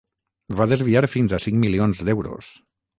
va desviar fins a cinc milions d'euros